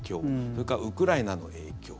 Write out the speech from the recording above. それからウクライナの影響